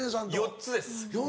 ４つです。